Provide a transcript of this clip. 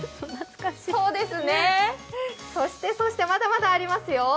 そしてまだまだありますよ。